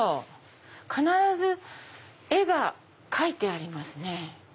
必ず絵が描いてありますね。